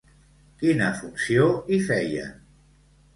Quina funció hi feien?